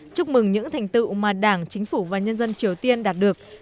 chúc mừng những thành tựu mà đảng chính phủ và nhân dân triều tiên đạt được